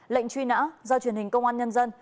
lệnh truy nã do truyền hình công an nhân dân